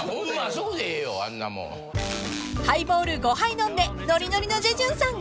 ［ハイボール５杯飲んでノリノリのジェジュンさん］